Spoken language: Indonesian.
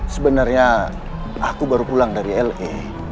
sebenarnya aku baru pulang dari la